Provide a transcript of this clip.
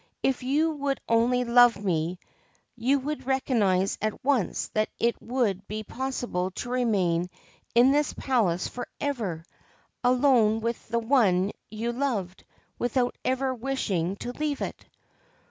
If you would only love me, you would recognise at once that it would be possible to remain in this palace for ever, alone with the one you loved, without ever wishing to leave it.'